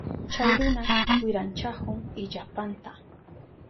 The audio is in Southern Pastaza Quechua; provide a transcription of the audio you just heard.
Chay runa wiranchahun illapanta.